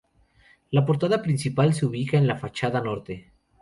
La portada principal se ubica en la fachada norte.